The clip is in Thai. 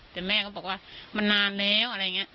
แต่แม่ก็บอกว่ามันนานแล้วอะไรอย่างนี้